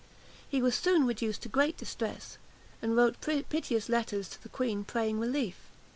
He was soon reduced to great distress, and wrote piteous letters to the queen praying relief.